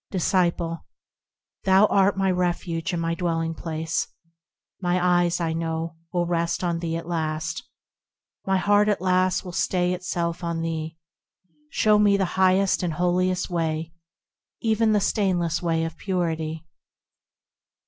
Disciple. Thou art my refuge and my dwelling place ; My eyes, I know, will rest on thee at last ; My heart at last will stay itself on thee. Show me the highest and holiest way, Even the stainless way of Purity.